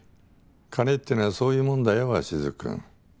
金ってのはそういうもんだよ鷲津君。